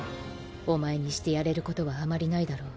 お前にしてやれることはあまりないだろう。